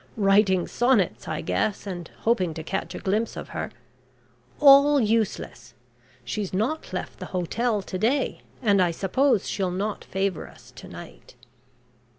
Writing sonnets, I guess, and hoping to catch a glimpse of her. All useless she's not left the hotel to day, and I suppose she'll not favour us to night."